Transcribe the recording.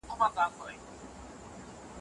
په لاژوردي اسمان کې ورپوه